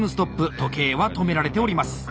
時計は止められております。